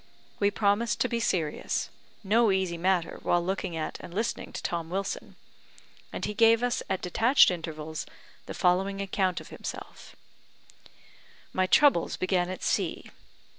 We promised to be serious no easy matter while looking at and listening to Tom Wilson, and he gave us, at detached intervals, the following account of himself: "My troubles began at sea.